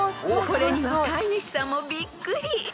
［これには飼い主さんもびっくり］